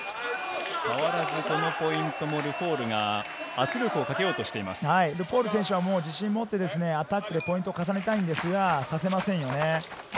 このポイントもルフォールがルフォール選手は自信を持ってアタックでポイントを重ねたいんですが、させません。